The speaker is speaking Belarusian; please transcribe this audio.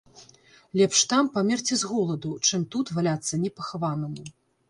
Лепш там памерці з голаду, чым тут валяцца непахаванаму.